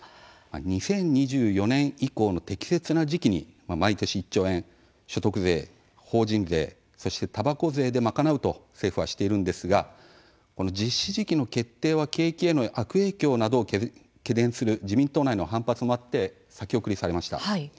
２０２４年以降の適切な時期に毎年１兆円所得税、法人税そして、たばこ税で賄うと政府はしているんですが実施時期の決定は景気への悪影響などを懸念する自民党内の反発もあって先送りされました。